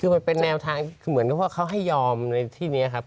คือมันเป็นแนวทางคือเหมือนว่าเขาให้ยอมในที่นี้ครับ